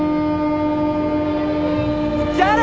じゃあな！